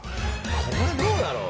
これ、どうだろう。